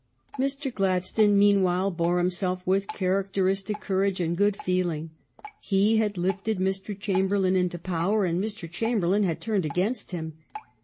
Mr. Gladstone meanwhile bore himself with characteristic courage and good feeling. He had lifted Mr. Chamberlain into power and Mr. Cham berlain had turned against him.